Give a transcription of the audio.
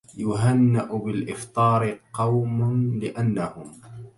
يهنأ بالإفطار قوم لأنهم